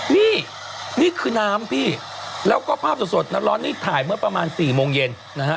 นี่นี่คือน้ำพี่แล้วก็ภาพสดร้อนนี่ถ่ายเมื่อประมาณ๔โมงเย็นนะฮะ